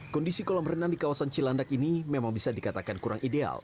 kondisi kolam renang di kawasan cilandak ini memang bisa dikatakan kurang ideal